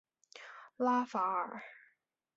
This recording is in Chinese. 拉法尔。